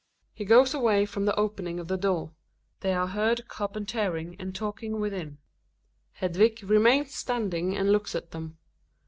He goes away from the opening of the door; they are heard carpentering and talking within. Hedvig remains standing and looks at them.